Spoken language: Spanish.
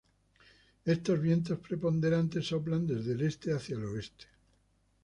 Estos vientos preponderantes soplan desde el Este hacia el Oeste.